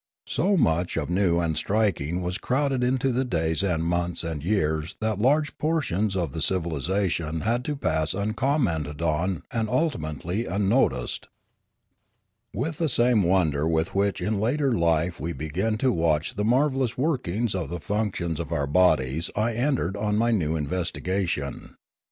So much of new and striking was crowded into the days and months and years that large portions of the civilisation had to pass uncommented on and ultimately unnoticed. With the same wonder with which in later life we be gin to watch the marvellous workings of the functions of 1 64 Limanora our bodies I entered on my new investigation.